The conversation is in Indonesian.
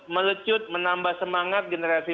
melecut menambah semangat generasi